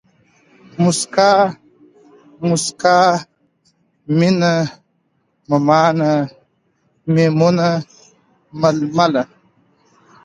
موسکا ، مُسکا، مينه ، مماڼه ، ميمونه ، ململه